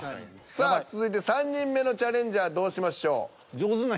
さあ続いて３人目のチャレンジャーどうしましょう。